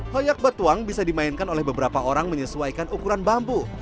hoyak batuang bisa dimainkan oleh beberapa orang menyesuaikan ukuran bambu